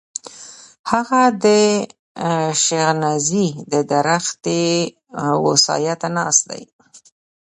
هغه د شينغزي د درختې و سايه ته ناست دی.